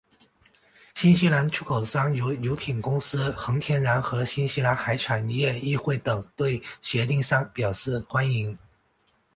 新西兰出口商如乳品公司恒天然和新西兰海产业议会等对协定表示欢迎。